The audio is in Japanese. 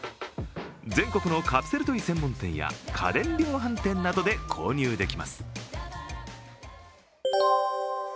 全国のカプセルトイ専門店や家電量販店などで購入できます。